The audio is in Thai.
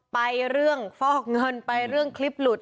ไปเรื่องฟอกเงินไปเรื่องคลิปหลุด